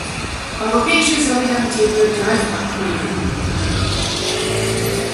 Europäische Solidarität wird greifbar, Kolleginnen und Kollegen!